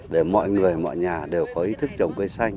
để mọi người mọi nhà đều có ý thức trồng cây xanh